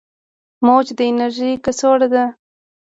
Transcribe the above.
موج د انرژي کڅوړه ده.